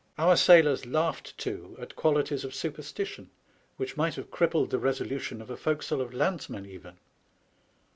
Our sailors laughed, too, at qualities of superstition which might have crippled the resolution of a forecastle of landsmen even.